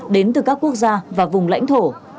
đến từ các quốc gia và vùng lãnh thổ